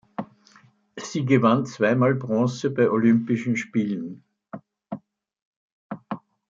Sie gewann zweimal Bronze bei Olympischen Spielen.